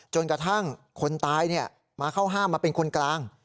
จนกระทั่งคนตายมาเข้าห้ามมาเป็นคนกลาง